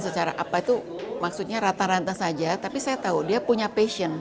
secara apa itu maksudnya rata rata saja tapi saya tahu dia punya passion